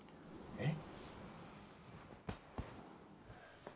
えっ？